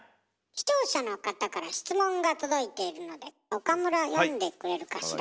視聴者の方から質問が届いているので岡村読んでくれるかしら。